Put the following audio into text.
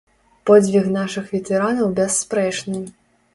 Подзвіг нашых ветэранаў бясспрэчны.